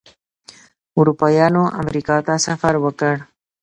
اروپایانو امریکا ته سفر وکړ.